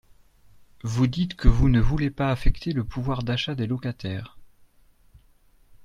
Vous dites que vous ne voulez pas affecter le pouvoir d’achat des locataires.